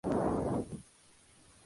Stefan ob Leoben y St.